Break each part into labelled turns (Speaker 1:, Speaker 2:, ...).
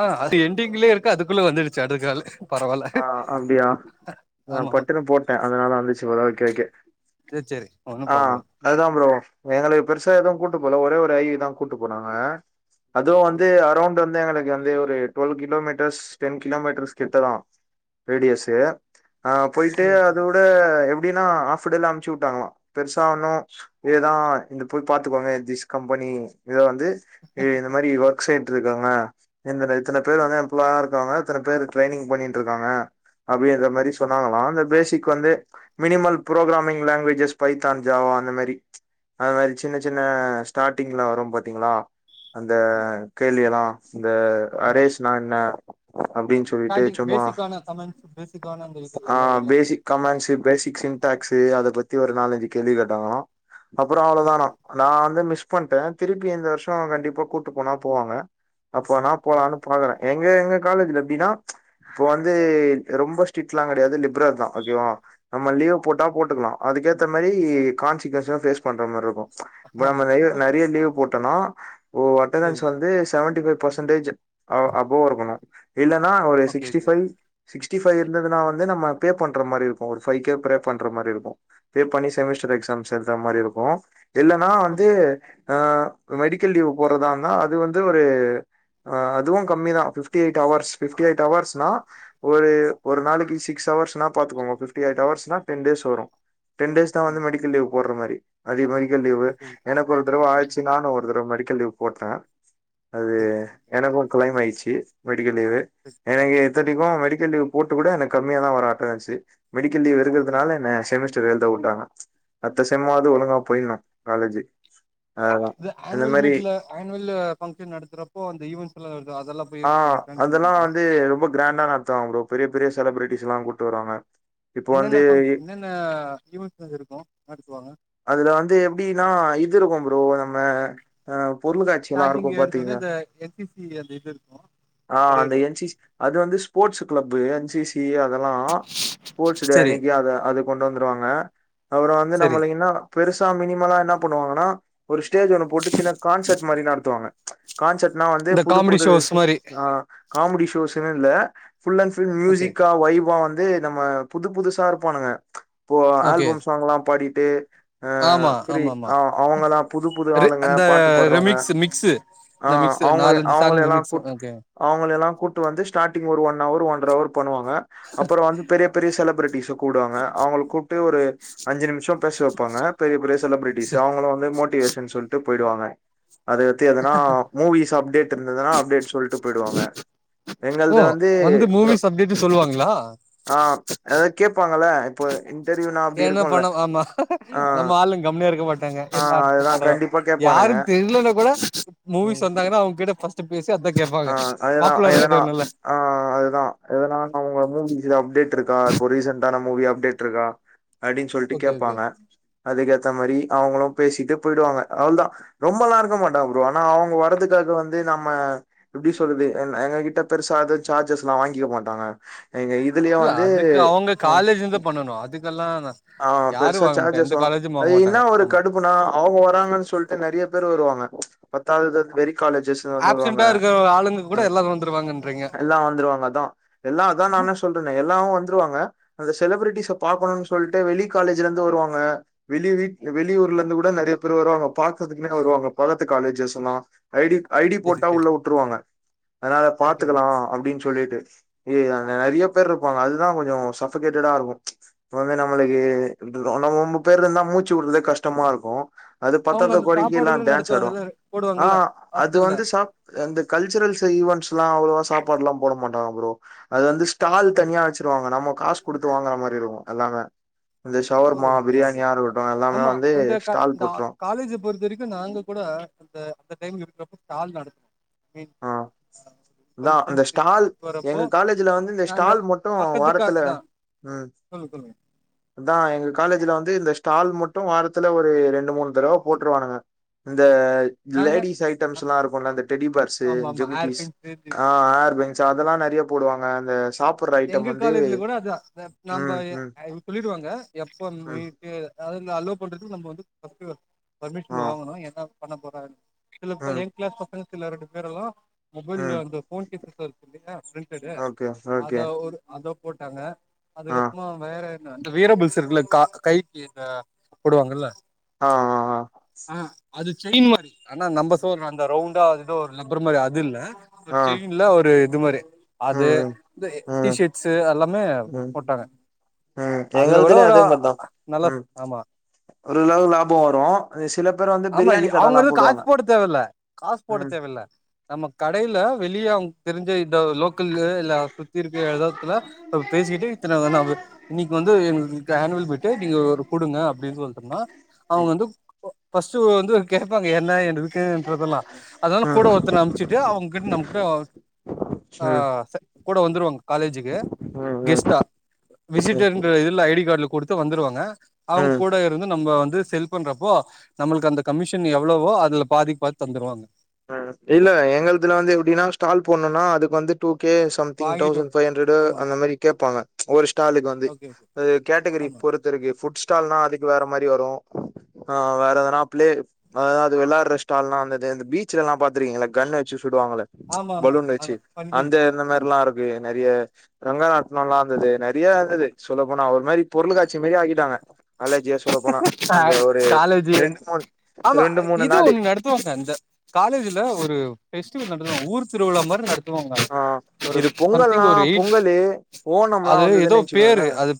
Speaker 1: ஆ அது எண்டிங்லயே இருக்கு அதுக்குள்ள வந்துடுச்சு அடுத்த காலு
Speaker 2: ஆ அப்டியா நா
Speaker 1: ஆமா ஆமா
Speaker 2: பட்டுனு போட்டே அதனால வந்துச்சு போல ஓகே ஓகே
Speaker 1: சேர் சேரி ஒன்னும்
Speaker 2: ஆ
Speaker 1: பிராப்ளம்
Speaker 2: அதுதா ப்ரோ எங்கள பெருசா எதுவு கூட்டு போல ஒரே ஒரு ஐ வி தா கூட்டு போனாங்க அதுவு வந்து அரௌண்ட் வந்து எங்களுக்கு வந்து ஒரு டுவெல் கிலோமீட்டர்ஸ் டென் கிலோமீட்டர்ஸ் கிட்டதா பி டி எஸ்ஸு ஆ போயிட்டு
Speaker 1: சேரி சேரி
Speaker 2: அதோட எப்டின்னா ஹாஃப்டேல அமுச்சுட்டாங்களா பெருசா ஒன்னு இதா இந்த போய் பாத்துக்கோங்க திஸ் கம்பெனி இத வந் து இந்த மாரி ஒர்க் சைட் இருக்கவங்க இந்த இத்தன பேர்
Speaker 1: சேரி
Speaker 2: வந்து ல்லா இருக்காங்க இத்தன பேர் ட்ரைனிங் பண்ணிட்டுருக்காங்க அப்டி அந்த மாரி சொன்னாங்களா அந்த பேசிக் வந்து minimal programming languages Python Java அந்த மாரி அது மாரி சின்ன சின்ன ஸ்டார்ட்டிங்ல வரும் பாத்தீங்களா அந்த
Speaker 1: ஆமா
Speaker 2: கேள்வி எல்லா இந்த
Speaker 1: ஆமா
Speaker 2: அரேஸ்னா என்ன அப்டின்னு சொல்லிட்டு
Speaker 1: ஸ்டார்டிங்
Speaker 2: சும்மா
Speaker 1: பேசிக்கான கமெண்ட்ஸ் பேசிக்கான அந்த இது எல்லா [unintelligible]
Speaker 2: கமண்ட்ஷி பேசிக் ஸ்ன்டாக்ஷி அத பத்தி ஒரு நாலஞ்சு கேள்வி கேட்டாங்களா அப்ற
Speaker 1: சேரி
Speaker 2: அவ்ளோதானா
Speaker 1: சேரி
Speaker 2: நா வந்து மிஸ் பண்ட்டே திருப்பி இந்த வருஷ கண்டிப்பா கூட்டு போனா போவாங்க அப்போ நா
Speaker 1: ஓ
Speaker 2: போலான்னு பாக்குறே எங்க எங்க காலேஜ்ல எப்டின்னா இப்போ வந்து ரொம்ப ஸ்ட்ரிக்ட்லாம கெடயாது லிப்ரர் தா ஓகேவ நம்ம லீவ் போட்டா போட்டுக்கலா அதுக்கேத்த மாரி கான்சிக்பேசன் பேஸ் பண்ற மாரி இருக்கு இப்ப நம்ம
Speaker 1: ஆமா
Speaker 2: நெற நெறய லீவ் போட்டனா ஓ
Speaker 1: சேரி
Speaker 2: அட்டனன்ஸ் வந்து செவன்டி ஃபைவ் பெர்சன்டேஜ் அ அபோவ் இருக்கணு இல்லன்னா ஒரு
Speaker 1: okay
Speaker 2: six
Speaker 1: okay
Speaker 2: sixty five இருந்ததுனா வந்து நம்ம பே பண்ற மாரி இருக்கு ஒரு ஃபை கே பே பண்ற மாரி இருக்கு பே பண்ணி
Speaker 1: சரி.
Speaker 2: செமஸ்டர் எக்ஸாம்ஸ் எழுதுற மாரி இருக்கு இல்லன்னா
Speaker 1: ஓகே
Speaker 2: வந்து ஆ
Speaker 1: ஓகே.
Speaker 2: மெடிக்கல் லீவ் போறதா இருந்தா அது வந்து ஒரு அதுவு கம்மி தா fifty eight hours fifty eight hours னா ஒரு ஒரு நாளைக்கு சிக்ஸ் அவர்ஸ்னா பாத்துக்கோங்க ஃபிப்டி எயிட் அவர்ஸ்னா டென் டேஸ் வரு டென் டேஸ் தா வந்து
Speaker 1: ஆமா
Speaker 2: மெடிக்கல் லீவ் போற மாரி அதே மெடிக்கல் லீவ்
Speaker 1: ஓகே ஓகே
Speaker 2: ஏனா ஒரு தடவ
Speaker 1: ம்
Speaker 2: ஆயிச்சு நானு ஒரு தடவ மெடிக்கல் லீவு போட்டே அது
Speaker 1: சேரி சேரி
Speaker 2: எனக்கு கிளைம் ஆயிச்சு மெடிக்கல் லீவு
Speaker 1: சேரி
Speaker 2: எனக்கு இத்தனக்கு மெடிக்கல் லீவ் போட்டு கூட எனக்கு கம்மியா தா வரு அட்டனன்ஸு மெடிக்கல் லீவ்
Speaker 1: ஓகே
Speaker 2: இருக்கறதுனால என்ன செமஸ்டர் எழுத உட்டாங்க அத்த
Speaker 1: சேரி
Speaker 2: செம்மாவது
Speaker 1: சேரி
Speaker 2: ஒழுங்கா போயினு காலேஜு அதா இந்த மாரி
Speaker 1: ஆன்வல்லு ஃபங்க்ஷன் நடத்துறப்போ அந்த ஈவெண்ட்ஸ்ல்லா வருது அதல்லா
Speaker 2: ஆ அதெல்லா வந்து ரொம்ப கிராண்டா நடத்துவாங்க ப்ரோ பெரிய பெரிய செலபிரிட்டிஸ்ல்லா கூட்டு வருவாங்க இப்ப வந்து
Speaker 1: என்னென்ன பங்க்ஷ என்னென்ன ஈவென்ட்ஸ் அங்க இருக்கு நடத்துவாங்க
Speaker 2: அதுல வந்து எப்டின்னா இது இருக்கு ப்ரோ நம்ம அ பொருள்காட்சி எல்லா இருக்கு பாத்தீன்னா
Speaker 1: இந்த என் சி சி [unintelligible] அந்த இது இருக்கு
Speaker 2: ஆ அந்த
Speaker 1: பரேடு
Speaker 2: என் சி சி அது வந்து sports club N C T அதெல்லா ஸ்போர்ட்ஸ் டே
Speaker 1: செரி
Speaker 2: அன்னைக்கு அத அது கொண்டு வந்துருவாங்க அப்றோ வந்து
Speaker 1: செரி
Speaker 2: நம்மளுக்கு என்ன பெருசா மினிமலா என்ன பண்ணுவாங்கனா ஒரு ஸ்டேஜ் ஒண்ணு போட்டு சின்ன கான்சட் மாரி நடத்துவாங்க கான்சட்னா வந்து
Speaker 1: இந்த
Speaker 2: புது
Speaker 1: காமெடி
Speaker 2: புது
Speaker 1: ஷோஸ் மாரி
Speaker 2: ஆ காமெடி ஷோஸ்ன்னு இல்ல ஃபுல் அண்ட் ஃபுல்
Speaker 1: ஓகே
Speaker 2: மியூசிக்கா வைபா வந் து நம்ம புது புதுசா இருப்பானுங்க இப்போ
Speaker 1: ஓகே
Speaker 2: ஆல்பம் சாங்ல்லா பாடிட்டு அ ஃப்ரி அ அவங்கெல்லா
Speaker 1: ரி அந்த ரெமிக்ஸ்ஸு மிக்ஸு இந்த மிக்ஸு நாலஞ்சு சாங்கு மிக்ஸு ஓகே
Speaker 2: அவங்களயெல்லா கூட்டு வந்து ஸ்டாட்டிங் ஒரு ஒன்னவர் ஒன்ற அவர் பண்ணுவாங்க அப்றோ வந்து பெரிய பெரிய செலபிரிட்டிஸ்ஸ கூப்டுவாங்க அவுங்கள கூப்ட்டு ஒரு அஞ்சு நிம்ஷோ பேச வெப்பாங்க பெரிய பெரிய செலபிரிட்டிஸ்ஸு அவுங்களு வந்து மோட்டிவேஷன் சொல்ட்டு போய்டுவாங்க அதுகட்த்து எதுனா மூவிஸ் அப்டேட்ருந்துதுன்னா அப்டேட் சொல்ட்டு போய்டுவாங்க
Speaker 1: ஓ
Speaker 2: எங்கள்து வந்து ப்ரோ
Speaker 1: மூவிஸ் அப்டேட்டு சொல்லுவாங்களா
Speaker 2: ஆ அதாத் கேப்பாங்கல்லா
Speaker 1: என்ன பண்ணோ ஆமா
Speaker 2: ஆ
Speaker 1: நம்ம ஆளுங் கம்முனே இருக்க மாட்டாங்க
Speaker 2: ஆ
Speaker 1: எல்லா அடுத்து
Speaker 2: அதுதா
Speaker 1: படோ
Speaker 2: கண்டிப்பா கேப்பானுங்க
Speaker 1: யாருன் தெர்லீனா கூட மூவிஸ்
Speaker 2: ம்
Speaker 1: வந்தாங்கனா அவுங் கிட்ட ஃபஸ்ட் டு பேசி அதா கேப்பாங்க
Speaker 2: ஆ அதுதா
Speaker 1: பாப்புலர் ஆயிடு
Speaker 2: எதனா
Speaker 1: நல்லா
Speaker 2: ஆ அதுதா எதனா [unintelligible] உங்க மூவிஸ்ல அப்டேட்ருக்கா இப்போ ரீசண்ட்டான மூவி அப்டேட்ருக்கா அப்டின் சொல்ட்டு
Speaker 1: ஓகே ஓகே
Speaker 2: கேப்பாங்க அதுக்கேத்த மாரி அவுங்களு பேசிட்டு போய்டுவாங்க அவ்ள் தா ரொம்பல்லா இருக்க மாட்டாங் ப்ரோ ஆனா அவுங்க வரதுக்காக வந்து நம்ம எப்டி சொல்றது என் எங்க கிட்ட பெருசா எது சார்ஜஸ்லா வாங்கிக்க மாட்டாங்க எங்க இதுலயே
Speaker 1: இல்ல
Speaker 2: வந்து
Speaker 1: அதுக்கு அவுங்க
Speaker 2: ம்
Speaker 1: காலேஜ்லிந்து பண்ணனு அதுக்கெல்லா
Speaker 2: ஆ
Speaker 1: யாரு
Speaker 2: பெருசா
Speaker 1: வாங்க மாட்டா எந்த
Speaker 2: சார்ஜஸ்லா
Speaker 1: காலேஜும் வாங்க
Speaker 2: அது இன்னா
Speaker 1: மாட்டாங்க
Speaker 2: ஒரு
Speaker 1: ஆமா
Speaker 2: கடுப்புனா அவுங்க வராங்கன் சொல்ட்டு நெறைய பேரு வருவாங்க பத்தாதது வெளி காலேஜஸ் லிந்து வந்துருவாங்க
Speaker 1: ஆப்சென்டா இருக்கிற ஆளுங்க கூட
Speaker 2: எஸ்
Speaker 1: எல்லாரு வந்துருவாங்கன்றீங்க
Speaker 2: எல்லா வந்துருவாங்க அதா எல்லா அதா நானே சொல்றனே எல்லாவு வந்துருவாங்க அந்த செலபிரிட்டிஸ்ஸ பாக்கணுன் சொல்ட்டு வெளி காலேஜ்லிந்து வருவாங்க வெளி வீட் அ வெளியூர்லர்ந்து கூட நெறய பேர் வருவாங்க பாக்கற்துக்னே வருவாங்க பக்கத்து காலேஜஸ் எல்லா ஐடி ஐடி
Speaker 1: செரி
Speaker 2: போட்டா
Speaker 1: செரி
Speaker 2: உள்ள உட்டுருவாங்க அதுனால
Speaker 1: ஓகே
Speaker 2: பாத்துக்கலா
Speaker 1: ஓகே
Speaker 2: அப்டீன் சொல்லீட்டு ஏய் அங்க நெறிய பேர்ருப்பாங்க அதுதா கொஞ்சோ சஃபகேட்டடா இருக்கு இப்ப வந்து நம்மளுக்கு இது ர ரொம்ப பேர்ருந்தா மூச்சு உட்றதே கஷ்டமா இர்க்கு அது
Speaker 1: அவங்க
Speaker 2: பத்தாத
Speaker 1: அந்த
Speaker 2: கொறைக்கி
Speaker 1: சாப்பாடு
Speaker 2: எல்லா
Speaker 1: கூட
Speaker 2: டான்ஸ் ஆடு
Speaker 1: நடத்துவாங்கல்ல
Speaker 2: ஆ
Speaker 1: போடுவாங்கல்ல
Speaker 2: அது
Speaker 1: ஹாஸ்டல்ல
Speaker 2: வந்து சாப் அந்த கல்ச்சுரல்ஸ் ஈவண்ட்ஸ்லா அவ்ளவா சாப்பாட்லா போட மாட்டாங்க ப்ரோ அது வந்து ஸ்டால் தனியா வெச் சிருவாங்க நம்ம காஸ் குடுத்து வாங்கற மாரி இருகு எல்லாமே இந்த
Speaker 1: ஓ
Speaker 2: ஷவர்மா
Speaker 1: ஓகே ஓகே
Speaker 2: பிரியாணியா இருக்கட்டு எல்லாமே
Speaker 1: ஆமா
Speaker 2: வந்து
Speaker 1: இந்த க
Speaker 2: ஸ்டால்
Speaker 1: இந்தா
Speaker 2: போட்ரு
Speaker 1: காலேஜ பொறுத்தரைக்கு நாங்க கூட அந்த அந்த டைம் இருக்றப்போ ஸ்டால் நடக்கு மீ
Speaker 2: இதா அந்த ஸ்டால் எங்க காலேஜுல வந்து இந்த
Speaker 1: நாங்க
Speaker 2: ஸ்டால் மட்டு வாரத்துல ம்
Speaker 1: சொல்லு சொல்ங்க
Speaker 2: அதா எங்க காலேஜுல வந்து இந்த ஸ்டால் மட்டு வாரத்துல ஒரு ரெண்டு மூண் தடவ போட்ருவானுங்க இந்த
Speaker 1: நாங்க
Speaker 2: லேடிஸ் ஐட்டம்ஸ்ல்லா இருக்குல்ல அந்த டெடிபேர்ஸு,
Speaker 1: ஆமா ஆமா ஏர்
Speaker 2: ஜிமிக்கிஸ்
Speaker 1: பின்ஸ்
Speaker 2: அ ஹேர் பேண்ஸ் அதெல்லா நெறைய போடுவாங்க அந்த சாப்
Speaker 1: எங்க காலேஜுல கூட அதா த நம்ப
Speaker 2: ம்
Speaker 1: எ
Speaker 2: ம்
Speaker 1: இவ் சொல்லிடுவாங்க எப்ப
Speaker 2: ம்
Speaker 1: [unintelligible] கு அதுலா அலோவ் பண்றத்துக்கு நம்ப வந்து ஃபஸ்ட்டு
Speaker 2: ஆ
Speaker 1: பர்மிஷன் வாங்கணு என்னா பண்ண போறாங்கனு சிலப்ப
Speaker 2: ம்
Speaker 1: ஏ கிளாஸ் பசங்க சில ரெண்டு பேரு மொபைல்ல
Speaker 2: ம்
Speaker 1: அந்த ஃபோன் கேசஸ்லா இருக்குல்லயா பிரிண்ட்டடு
Speaker 2: ஓகே ஓகே
Speaker 1: அத ஒரு அத போட்டாங்க
Speaker 2: ஆ
Speaker 1: அதுக்கப்றமா வேற என்ன இந்த வீரபல்ஸ் இருக்குல்லா கா கைக்கி இந்த போடுவாங்கல்ல
Speaker 2: ஆ ஆ
Speaker 1: ஆ அது செய்ன் மாரி ஆனா நம்ப [unintelligible] அந்த ரவுண்டா அது எதோ ஒரு லிப்பரு மாரி அதுல்ல ஒரு
Speaker 2: ஆ
Speaker 1: செய்ன்ல ஒரு இது மாரி அது
Speaker 2: ம்
Speaker 1: தே டி
Speaker 2: ம்
Speaker 1: ஷட்ஸ்ஸு எல்லாமே
Speaker 2: ம் ம்
Speaker 1: போட்டாங்க
Speaker 2: ம்
Speaker 1: அதுலா கூடோ
Speaker 2: எங்கள்துலயு
Speaker 1: ஒரு
Speaker 2: அதே
Speaker 1: நல்லா ஆமா
Speaker 2: ஒரு அளவுக்கு லாபோ வரு அ சில பேர் வந்து பிரியாணி கட்டலா போ
Speaker 1: காஸ் போட் தேவல்ல காசு போட தேவல்ல நம்ம கடையிலா வெளியே அவுங்க தெரிஞ்ச இந்த லோக்கல்ல இல்லா சுத்தி இருக்க எதாத்துலா அ பேசிக்கிட்டு இத்தன நம் இன்னைக்கி வந்து எங்களுக்கு ஆனுவல் போயிட்டு நீங்க ஒரு குடுங்க அப்படின்னு சொல்டனா அவுங்க வந்து ஃபஸ்ட்டு வந்து கேட்பாங்க என்ன என்ன இருக்கன்றதெல்லா அதனா
Speaker 2: ம்
Speaker 1: கூட ஒருத்தன அமாச்சிட்டு அவங்ககிட்ட நம்மகிட்ட ஆ
Speaker 2: ம்
Speaker 1: கூட வந்துருவங்க காலேஜ்க்கு
Speaker 2: ம் ம்
Speaker 1: கெஸ்ட்டா
Speaker 2: ம்
Speaker 1: விசிட்டர்ன்ற இதுலா ஐ டி கார்டுலா குடுத்து வந்துருவாங்க அவுங்க
Speaker 2: ம் ம்
Speaker 1: கூட வந்து நம்ம வந்து செல் பண்றப்போ நாமுளுக்கு அந்த கமிஷன் எவ்ளவோ அதுலா பாதிக்கி பாதி தந்துடுவாங்க
Speaker 2: அ இல்ல எங்களதுல வந்து எப்படின்னா ஸ்டால் போணுன்னா அதுக்கு வந்து டூ கே சம்திங்
Speaker 1: வாங்கிட்டு
Speaker 2: தவுசண்ட் ஃபைவ் ஹண்ட்ரட்
Speaker 1: ஆமா
Speaker 2: அந்த மாரி கேட்பாங்க ஒரு ஸ்டாலுக்கு வந்து
Speaker 1: ஓகே ஓகே
Speaker 2: அ கேட்டகரி
Speaker 1: ஆமா
Speaker 2: பொறுத் துருக்கு புட் ஸ்டால்னா அதுக்கு வேற மாரி வரு ஆ வேற எதனா பிளே அத அது வெளாட்ற ஸ்டால்லா வந்தது அந்த பீச் பிச்சாரலாம் பாந்திருக்கிகே சுலலா பாத்துருக்கீங்கள கன்ன வச்சு சுடுவாங்கலே
Speaker 1: ஆமா ஆமா
Speaker 2: பலூன் வெச்சு
Speaker 1: ஆமா ஃபன் கேம்
Speaker 2: அந்த இந்த மாரிலா இருக் இல்லைய நறைய ரங்கராட்டனோலா இருந்தது நறைய இருந்தது சொல்ல போனா ஒரு மாரி பொருள் காட்சி மேரி ஆகிட்டாங்க அலஜியா சொல்லா போனா அந்த ஒரு
Speaker 1: காலேஜு
Speaker 2: ரெண்டு மூணு ரெண்டு மூணு நாளு
Speaker 1: இப்போ அந்த காலேஜ்ல ஒரு பெஸ்டிவல் நடந்த ஊர் திருவிழா மாதிரி நட துவாங்க
Speaker 2: ஆ
Speaker 1: ஒரு
Speaker 2: இது
Speaker 1: சம்திங்
Speaker 2: பொங்கல்லா
Speaker 1: ஒரு எயிட்
Speaker 2: பொங்கலு ஓணம்லா
Speaker 1: அது ஏதோ
Speaker 2: வந்ததுன்னு நெனச்சுக்கோங்களே
Speaker 1: பெரு அது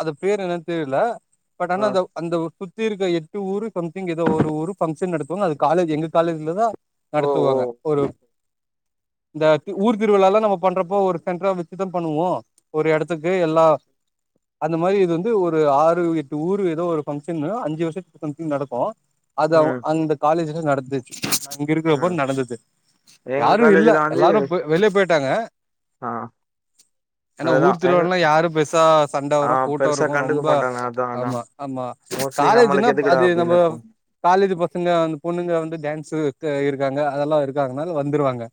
Speaker 1: அது பெரு என்னன்னு தெர்ல பட் ஆனா
Speaker 2: ஆ
Speaker 1: அந்த அந்த ஒரு சுத்தி இருக்க எட்டு ஊர் சம்திங் ஏதோ ஒரு ஊர் பங்க்ஷன் நடத்து அது காலேஜ் எங்க காலேஜ்லதா
Speaker 2: ஓ ஓ
Speaker 1: நடத்துவாங்க ஒரு இந்த ஊர் திருவிழால்லா நம்ம பண்றப்போ ஒரு சென்டராவ் வெச்சுதா பண்ணுவோ ஒரு எடத்துக்கு எல்லா அந்த மாரி இது வந்து ஒரு ஆறு எட்டு ஊர் ஏதோ ஒரு பக்ஷன்னு அஞ்சு வருஷத்து நடக்கு அது
Speaker 2: ம்
Speaker 1: அந்த காலேஜ் நடந்துச் இங்க இருக்குறப்ப
Speaker 2: ம்
Speaker 1: நடந்தது
Speaker 2: எங்க
Speaker 1: யாரு இல்லா
Speaker 2: காலேஜ்ல வந்து
Speaker 1: எல்லாரு வெளியே போயிட்டாங்க
Speaker 2: ஆ
Speaker 1: ஏன்னா
Speaker 2: அதுதா
Speaker 1: ஊர்
Speaker 2: எங்க
Speaker 1: திருவிழால்லா யாரு பெருசா சண்ட
Speaker 2: ஆ
Speaker 1: வரு கூட்டோ
Speaker 2: பெருசா
Speaker 1: இருக்கு
Speaker 2: கண்டுக்க
Speaker 1: ரொம்ப
Speaker 2: மாட்டாங்க அதா அதா
Speaker 1: ஆமா ஆமா
Speaker 2: மோஸ்ட்லி
Speaker 1: காலேஜ்ன்னா
Speaker 2: நம்மளுக்கு எதுக்குடா
Speaker 1: அது நம்ம
Speaker 2: அப்டின்னு இருப்போ
Speaker 1: காலேஜ் பசங்க அந்த பொண்ணுங்க வந்து டான்ஸு க்க இருக்காங்க அதெல்லா இருக்காங்கனால வந்துருவாங்க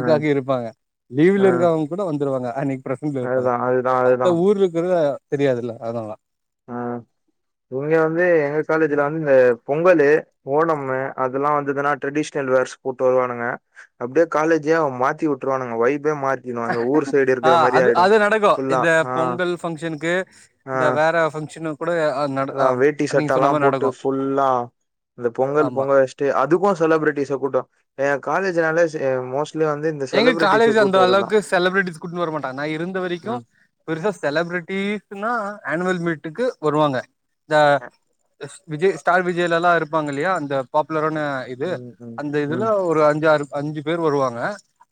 Speaker 2: ம்
Speaker 1: இருப்பாங்க லீவ்ல
Speaker 2: ம்
Speaker 1: இருக்கவங்க கூட வந்துருவாங்க அன்னைக்கி ப்ரசண்ட்ல இருப்பாங்க
Speaker 2: அதுதா அதுதா அதுதா
Speaker 1: மத்த ஊர்ல இருக்கறது தெரியாதல்ல அதனாலதா
Speaker 2: ஆ இங்க வந்து எங்க காலேஜ்ல வந்து இந்த பொங்கலு ஓனமு அதெல்லா வந்ததுன்னா ட்ரெடிஷ்னல் வேர்ஸ் போட்டு வருவானுங்க அப்படியே காலேஜியே மாத்தி உட்டுருவானங்க வைப்பே மா இவங்க அந்த ஊர் சைடு
Speaker 1: ஆ
Speaker 2: இருக்கற மாரி
Speaker 1: அது
Speaker 2: ஆயிடு
Speaker 1: அது நடக்கு
Speaker 2: ஃபுல்லா
Speaker 1: இந்த
Speaker 2: ஆ
Speaker 1: பொங்கல்
Speaker 2: ஆ
Speaker 1: குடே ஆந்
Speaker 2: அத வேட்டி சட்டல்லா போட்டு ஃபுல்லா இந்த பொங்கல்
Speaker 1: ஆமா
Speaker 2: பொங்கல் ச்ட்டு அதுக்கு செலிபிரிட்டிஸ் கூட்டோ எங் காலேஜினாலே மோஸ்ட்லி வந்து இந்த
Speaker 1: எங்க
Speaker 2: செலிபிரிட்டிஸ
Speaker 1: காலேஜ் அந்த
Speaker 2: கூட்டு வருதா
Speaker 1: அளவுக்கு செலிபிரிட்டிஸ் கூட்டு வர மாட்டாங்க இருந்த வரைக்கு
Speaker 2: ம்
Speaker 1: பெருசா செலபரிட்டி இருக்குன்னா ஆனுவல் மீட்டுக்கு வருவாங்க ந்த விஜய் ஸ்டார் விஜயெல்லா இருப்பாங்க இல்லையா அந்த பாப்புலரான இது
Speaker 2: ம் ம்
Speaker 1: அந்த இதுல
Speaker 2: ம்
Speaker 1: ஒரு அஞ்சாரு அஞ்சு பேர் வருவாங்க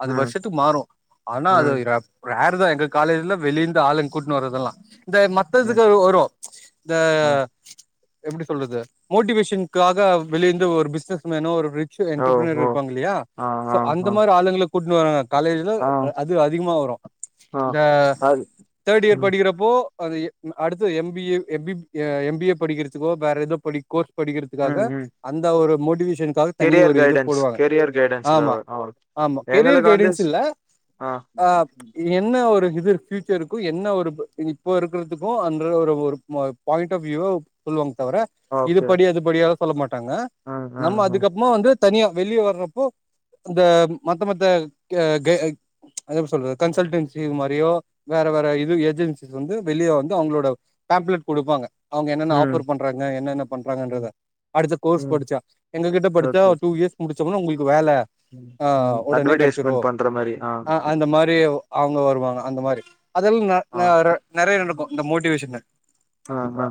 Speaker 1: அது
Speaker 2: ம்
Speaker 1: வருஷத்துக் மாறும் ஆனா அது
Speaker 2: ம்
Speaker 1: ரேரு தா எங்க காலேஜ்ல வெளியந்து ஆளுங்க கூட்ன்னு வர்றதெல்லா இந்த
Speaker 2: ம்
Speaker 1: மத்ததுக்கு அவ் வரும் இந்த
Speaker 2: ம்
Speaker 1: எப்டி சொல்றது மோட்டிவேஷனுக்காக வெளியந்து ஒரு பிஸ்னஸ் மேனோ ஒரு ஸ்டூடண்ட்
Speaker 2: ஓ
Speaker 1: இது மாரி
Speaker 2: ஓ
Speaker 1: இருப்பாங்க இல்லயா
Speaker 2: ஆ
Speaker 1: சோ
Speaker 2: ஆ
Speaker 1: அந்த
Speaker 2: ஆ
Speaker 1: மாரி ஆளுங்களுக் கூட்னு வராங்க காலேஜ்ல
Speaker 2: ஆ
Speaker 1: அது அதிகமா வரும்
Speaker 2: ஆ
Speaker 1: இந்த
Speaker 2: அது
Speaker 1: தேர்ட் இயர்
Speaker 2: ம்
Speaker 1: படிக்கிறப்போ அது அடுத்து எம் பி ஏ எம்பிப் எம் பி ஏ படிக்கிறதுக்கோ வேற எதோ படி கோர்ஸ்
Speaker 2: ம்
Speaker 1: படிக்கிறதுக்காக
Speaker 2: ம்
Speaker 1: அந்த ஒரு மோட்டிவேஷன் காக தனி
Speaker 2: கெரியர்
Speaker 1: ஒரு இது
Speaker 2: கைடன்ஸ்
Speaker 1: போடுவாங்க
Speaker 2: கெரியர்
Speaker 1: ஆமா
Speaker 2: கைடன்ஸுக்காக ஆ
Speaker 1: ஆமா கெரியர்
Speaker 2: எங்களுக்கு வந்து
Speaker 1: கைடன்ஸ்
Speaker 2: ஸ்
Speaker 1: இல்ல
Speaker 2: ஆ
Speaker 1: ஆத் என்ன ஒரு இது ஃபியூச்சருக்கும் என்ன ஒரு இது இப்போ இருக்கிறதுக்கும் அன்ற ஒரு ஒரு மாத் பாயிண்ட் ஆஃப் வியூவ சொல்வாங்க தவிர இது
Speaker 2: ஓகே
Speaker 1: படி அது படிய சொல்ல மாட்டாங்க
Speaker 2: ம் ம்
Speaker 1: நம்ம
Speaker 2: ம்
Speaker 1: அதுக்கப்புமா வந்து தனியா வெளிய வர்றப்போ இந்த மத்த மத்த கே கே அது எப்டி சொல்றது கன்சல்டன்சி மாரியோ வேற வேற இது ஏஜென்சிஸ் வந்து வெளியே வந்து அவங்ளோட டாப்பிக் குடுப்பாங்க அவங்க என்னென்ன
Speaker 2: ம்
Speaker 1: ஆஃபர் பண்றாங்க என்னென்ன பண்றாங்கன்றத
Speaker 2: ம்
Speaker 1: அடுத்த கோர்ஸ்
Speaker 2: ம்
Speaker 1: படிச்சா எங்க கிட்ட படிச்சா
Speaker 2: ஓகே
Speaker 1: டூ இயர்ஸ் முடிச்ச ஒன்னே உங்குளுக்கு வேல
Speaker 2: ம்
Speaker 1: ஆ
Speaker 2: ம்
Speaker 1: உடனே கெடச்சிரு
Speaker 2: அட்வர்டைஸ்மெண்ட் பண்ற மாரி ஆ
Speaker 1: அந்த மாரி அவங்க வருவாங்க அந்த மாரி அதெல்லா
Speaker 2: ஆ
Speaker 1: நெ நெ நெறைய நடக்கும் இந்த மோட்டிவேஷன்னு
Speaker 2: அ அ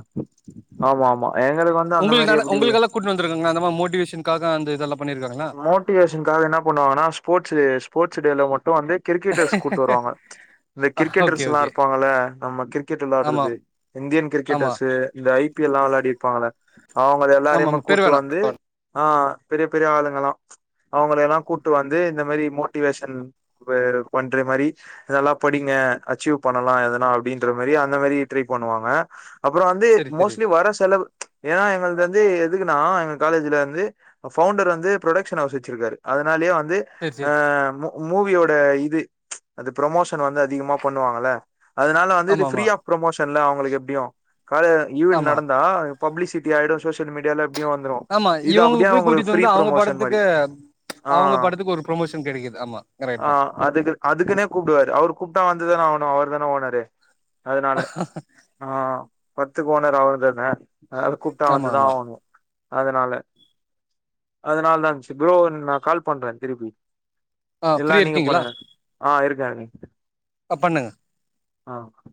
Speaker 2: ஆமா ஆமா எங்களுக் வந்
Speaker 1: உங்களுக் ஆனா உங்களுக்கல்லா கூட்னு வந்துருக்காங்ளா அந்த மாரி மோட்டிவேஷன்காக அந்த இதெல்லா பண்ணிருக்காங்ளா
Speaker 2: மோட்டிவேஷன்காக என்ன பண்ணு வாங்கன்னா ஸ்போர்ட்ஸ் டே ஸ்போர்ட்ஸ் டே ல மட்டும் வந்து கிரிக்கெட்டர்ஸ் கூட்டு வருவாங்க இந்த
Speaker 1: ஓகே
Speaker 2: கிரிக்கெட்டர்ஸ் எல்லா
Speaker 1: ஓகே
Speaker 2: இருப்பாங்கல்ல நம்ம கிரிக்கெட்
Speaker 1: ஆமா
Speaker 2: விளாட்டுறது இந்தியன்
Speaker 1: ஆமா
Speaker 2: கிரிக்கெட்டர்ஸு இந்த ஐ பி எல் லா வெளாடி இருப்பாங்கள அ அவங்க
Speaker 1: ஆமா
Speaker 2: எல்லாரையுமே
Speaker 1: ஆமா பேர்
Speaker 2: கூட்டு
Speaker 1: வேணா
Speaker 2: வந்து
Speaker 1: பேர் வேணா
Speaker 2: ஆ பெரிய பெரிய ஆளுங் களா அவங்கள எல்லா கூப்ட்டு வந்து இந்த மாரி மோட்டிவேஷன் பண்ற மாரி இதெல்லா படிங்க அச்சீவ் பண்ணலா எதனா அப்டின்ற மாரி அந்த மாரி ட்ரை பண்ணுவாங்க அப்புறோ வந்து
Speaker 1: செரி செரி
Speaker 2: மோஸ்ட்லி வர செலவு ஏன் எங்கள்து வந்து எதுக்குனா எங்க காலேஜ்ல வந்து பஃவுண்டர் வந்து புரொடகக்ஷன் ஹவுஸ் வச்சிருக்காரு அதனாலயே வந்து
Speaker 1: செரி
Speaker 2: ஆ
Speaker 1: செரி
Speaker 2: மு மூவியோட இது அது ப்ரமோஷன் வந்து அதிகமா பண்ணுவாங்கல அதனால வந்து இது
Speaker 1: ஆமா ஆமா
Speaker 2: ஃப்ரீயா ப்ரமோஷன்ல அவங்களுக்கு எப்டியும் காலேல் ஈவென்ட்
Speaker 1: ஆமா
Speaker 2: நடந்தா பப்ளிசிட்டி ஆயிடும் சோஷிய மீடியால எப்டியும் வந்துடும்
Speaker 1: ஆமா இவங்க போய் கூட்டிட்டு வந்து அவங்க படத்துக்
Speaker 2: மாரி
Speaker 1: து
Speaker 2: ஆ
Speaker 1: அவங்க படத்துக்கு ஒரு ப்ரொமோஷன் கெடைக்குது ஆமா கரெக்ட்
Speaker 2: ஆ
Speaker 1: தா
Speaker 2: அதுக்கு அதுக்குனே கூப்டுவாரு அவுரு கூப்ட்டா வந்துதானே ஆவுனோ அவர் தான ஓனரு அதனால ஆ பத்துக் ஓனர் அவுர் தான யாராவ்து கூப்ட்டா
Speaker 1: ஆமா
Speaker 2: வந்துதா
Speaker 1: ஆமா
Speaker 2: ஆவுனோ அதனால அதனால தா சு ப்ரோ நா கால் பண்றே திருப்பி
Speaker 1: ஆ
Speaker 2: இல்னா
Speaker 1: ஃப்ரீயா
Speaker 2: நீங்க
Speaker 1: இருக்கீங்களா
Speaker 2: பண்ணுங்க ஆ இருக்காருங்க
Speaker 1: கட் பண்ணுங்க
Speaker 2: ஆ ஓகே